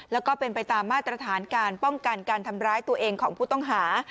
แล้วก็เป็นไปตามมาตรฐานการป้องกันการทำร้ายตัวเองของผู้ต้องหา